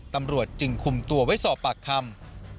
ตำรวจจึงคุมตัวไว้สอบปากคำ